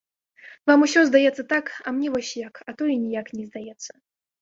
Вам усё здаецца так, а мне вось як, а то і ніяк не здаецца.